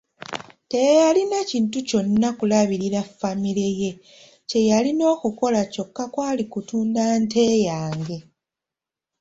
Teyalina kintu konna kulabirira famire ye, kye yalina okukola kyokka kwali kutunda nte yange.